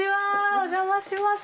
お邪魔します。